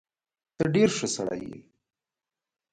ته ډیر ښه سړی یې